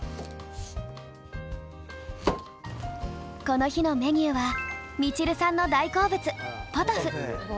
この日のメニューはみちるさんの大好物ポトフ。